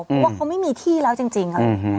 เพราะว่าเขาไม่มีที่แล้วจริง